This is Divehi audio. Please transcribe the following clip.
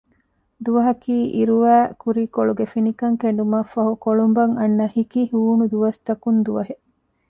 ދުވަހަކީ އިރުވައި ކުރީކޮޅުގެ ފިނިކަން ކެނޑުމަށް ފަހު ކޮޅުނބަށް އަންނަ ހިކި ހޫނު ދުވަސްތަކުން ދުވަހެއް